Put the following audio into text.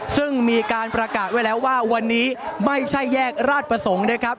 ซึ่งมีการประกาศไว้แล้วว่าวันนี้ไม่ใช่แยกราชประสงค์นะครับ